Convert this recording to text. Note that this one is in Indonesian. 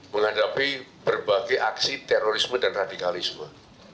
menghadapi berbagai aksi terorisme dan radikalisme